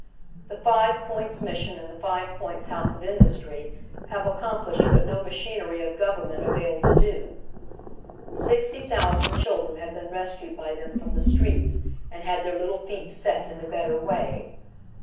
The Five Points Mission and the Five Points House of Industry have accomplished what no machinery of government availed to do. Sixty thousand children have been res oy Google 194 now THE OTIIEli HALF LIVES. ciied by them from the streets and had their little feet set in the better way.